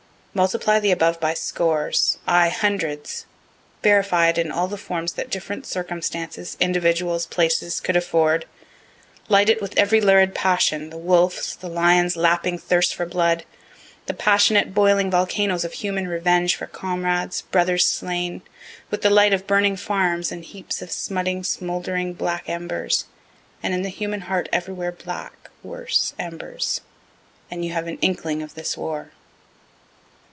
Multiply the above by scores, aye hundreds verify it in all the forms that different circumstances, individuals, places, could afford light it with every lurid passion, the wolf's, the lion's lapping thirst for blood the passionate, boiling volcanoes of human revenge for comrades, brothers slain with the light of burning farms, and heaps of smutting, smouldering black embers and in the human heart everywhere black, worse embers and you have an inkling of this war.